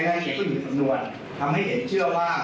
ผู้สนวนทั้งให้เห็นเชื่อว่า